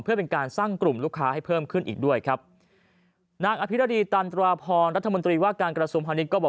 เพื่อเป็นการสร้างกลุ่มลูกค้าให้เพิ่มขึ้นอีกด้วยครับ